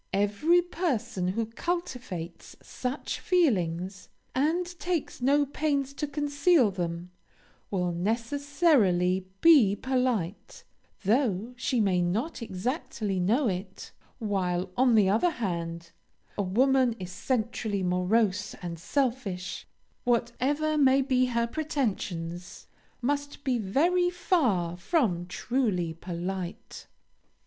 Every person who cultivates such feelings, and takes no pains to conceal them, will necessarily be polite, though she may not exactly know it; while, on the other hand, a woman essentially morose and selfish, whatever may be her pretensions, must be very far from truly polite.